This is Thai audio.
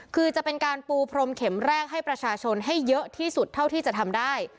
คือจะเป็นการปูพรมเข็มแรกให้ประชาชนให้เยอะที่สุดเท่าที่จะทำได้